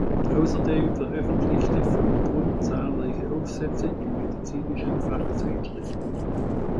Außerdem veröffentlichte von Brunn zahlreiche Aufsätze in medizinischen Fachzeitschriften.